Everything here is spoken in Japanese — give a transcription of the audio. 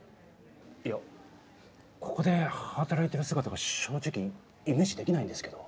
いやここで働いてる姿が正直イメージできないんですけど。